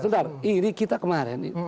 sebentar ini kita kemarin